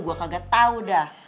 gue kagak tau dah